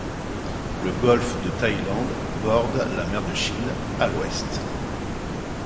Le golfe de Thaïlande borde la mer de Chine à l'ouest.